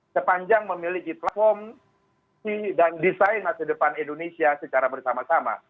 sepanjang memiliki platform dan desain masa depan indonesia secara bersama sama